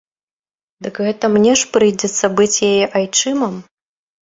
Дык гэта мне ж прыйдзецца быць яе айчымам?